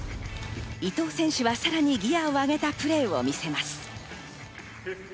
伊藤選手はさらにギアを上げたプレーを見せます。